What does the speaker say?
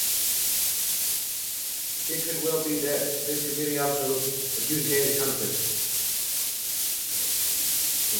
It could well be that this committee also adjudicated conflicts.